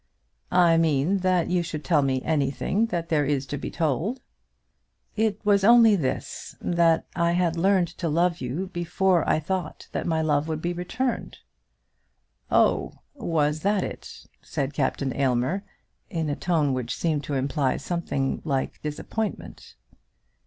"I mean that you should tell me anything that there is to be told." "It was only this, that I had learned to love you before I thought that my love would be returned." "Oh; was that it?" said Captain Aylmer, in a tone which seemed to imply something like disappointment.